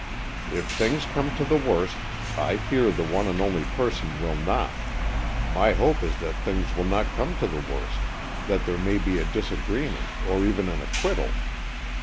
"If things come to the worst, I fear the one and only person will not. My hope is that things will not come to the worst, that there may be a disagreement or even an acquittal.